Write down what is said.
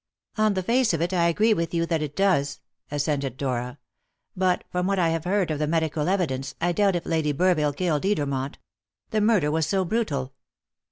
"On the face of it, I agree with you that it does," assented Dora. "But from what I have heard of the medical evidence, I doubt if Lady Burville killed Edermont the murder was so brutal."